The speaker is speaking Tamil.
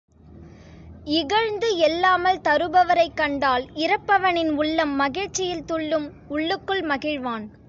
இகழ்ந்து எள்ளாமல் தருபவரைக் கண்டால் இரப்பவனின் உள்ளம் மகிழ்ச்சியில் துள்ளும் உள்ளுக்குள் மகிழ்வான்.